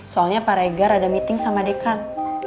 soalnya paregar ada meeting sama dekan